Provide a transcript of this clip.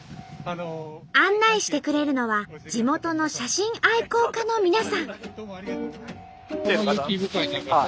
案内してくれるのは地元の写真愛好家の皆さん。